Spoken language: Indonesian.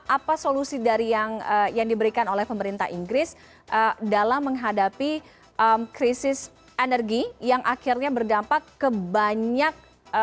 apa solusi dari yang diberikan oleh pemerintah inggris dalam menghadapi krisis energi yang akhirnya berdampak ke banyak